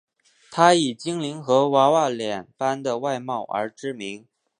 她以精灵和娃娃脸般的外貌而知名。